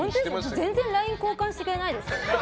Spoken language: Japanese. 全然ＬＩＮＥ交換してくれないですよね。